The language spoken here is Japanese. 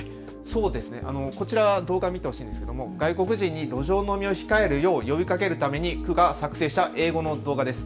こちらの動画を見てほしいんですが、外国人に路上飲みを控えるよう呼びかけるために区が作成した英語の動画です。